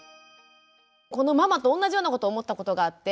このママとおんなじようなこと思ったことがあって。